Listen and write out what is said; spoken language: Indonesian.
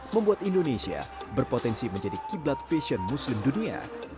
membuat indonesia berpotensi menjadi kiblat fashion muslim dunia